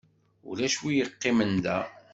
Ulac wi yeqqimen da.